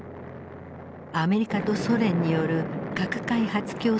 アメリカとソ連による核開発競争が始まる。